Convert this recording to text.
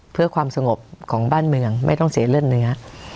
เพื่อความสงบของบ้านเมืองไม่ต้องเสียเลือดเนื้อ